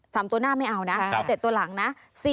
ตัวหน้าไม่เอานะ๗ตัวหลังนะ